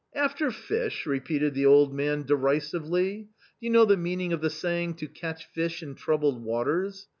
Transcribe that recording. " After fish !" repeated the old man derisively. " Do you know the meaning of the saying to ' catch fish in troubled waters'?